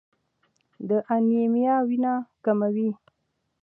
د انیمیا وینه کموي.